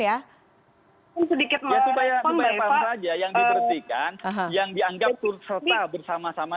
ya supaya paham saja yang diberhentikan yang dianggap turut serta bersama sama